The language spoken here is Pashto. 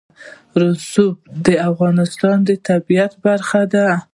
رسوب د افغانستان د طبیعت برخه ده.